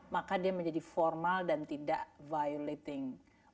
maka dia menjadi formal dan tidak violating